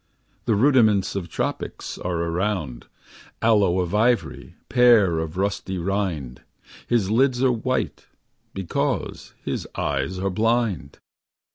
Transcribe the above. (The rudiments of tropics are around. Aloe of ivory, pear of rusty rind) . His lids are white because his eyes are blind.